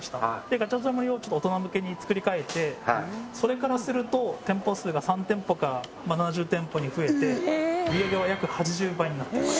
ガチャガチャの森をちょっと大人向けにつくり替えてそれからすると店舗数が３店舗から７０店舗に増えて売り上げは約８０倍になってます